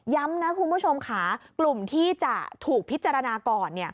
นะคุณผู้ชมค่ะกลุ่มที่จะถูกพิจารณาก่อน